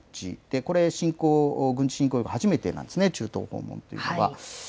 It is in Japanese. これ、軍事侵攻後初めてですね、中東訪問というのは。